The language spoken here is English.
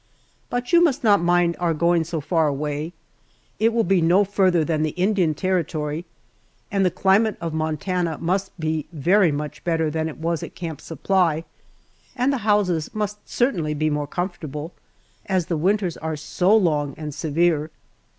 But you must not mind our going so far away it will be no farther than the Indian Territory, and the climate of Montana must be very much better than it was at Camp Supply, and the houses must certainly be more comfortable, as the winters are so long and severe.